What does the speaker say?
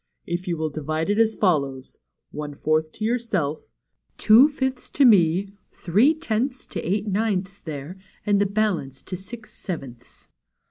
If you will divide it as follows : one fourth to your self, two fifths to me, three tenths to Eight Ninths there, and the balance to Six Sevenths."